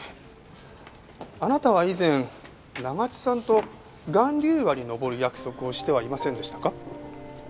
あなたは以前長津さんと巌流岩に登る約束をしてはいませんでしたか？